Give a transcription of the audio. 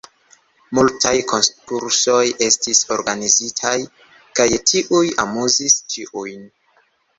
Multaj konkursoj estis organizitaj, kaj tiuj amuzis ĉiujn.